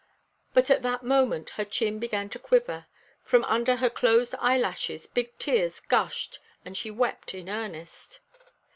But at that moment her chin began to quiver; from under her closed eyelashes big tears gushed and she wept in earnest.